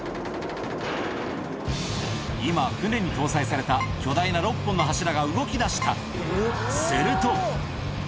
今、船に搭載された巨大な６本の柱が動きだした。